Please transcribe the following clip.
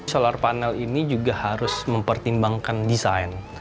solar panel ini juga harus mempertimbangkan desain